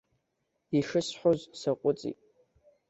Ишысҳәоз саҟәыҵит.